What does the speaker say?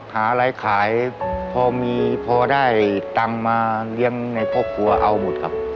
อะไรขายพอมีพอได้ตังค์มาเลี้ยงในครอบครัวเอาหมดครับ